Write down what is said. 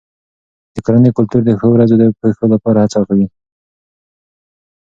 د کورنۍ کلتور د ښو ورځو د پیښو لپاره هڅه کوي.